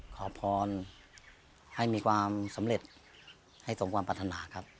ขอพรให้มีความสำเร็จให้สมความปรารถนาครับ